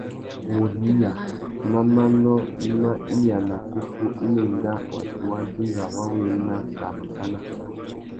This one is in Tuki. Wuriya má manô mà iya nà kúkú i mà enga watu wa dinga wa wu ena kā màkánà.